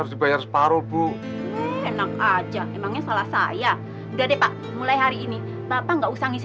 harus dibayar separuh bu enak aja emangnya salah saya udah deh pak mulai hari ini bapak nggak usah ngisi